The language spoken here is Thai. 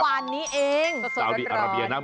เมื่อวานนี้เอง